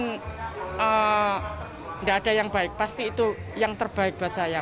dan tidak ada yang baik pasti itu yang terbaik buat saya